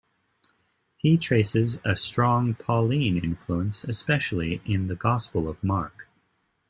He traces a strong Pauline influence, especially in the Gospel of Mark.